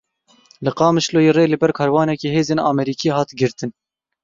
Li Qamişloyê rê li ber karwanekî hêzên Amerîkî hat girtin.